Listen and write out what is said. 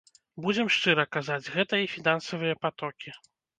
Будзем шчыра казаць, гэта і фінансавыя патокі.